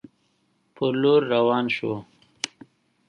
پر لور روان شو.